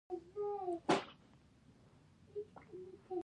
تاسو پیسی ماتی کړئ